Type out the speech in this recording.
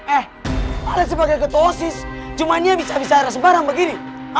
eh alet sebagai ketosis cumanya bisa bisa arah sembarang begini